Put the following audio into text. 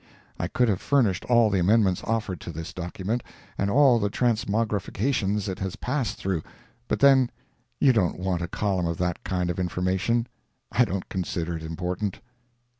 I could have furnished all the amendments offered to this document, and all the transmogrifications it has passed through—but then you don't want a column of that kind of information. I don't consider it important.